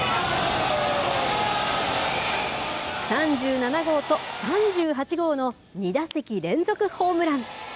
３７号と３８号の２打席連続ホームラン。